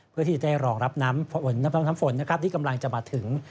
เพื่อที่จะได้รองรับน้ำฝนนะครับที่กำลังจะมาถึง